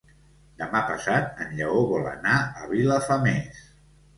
Demà passat en Lleó vol anar a Vilafamés.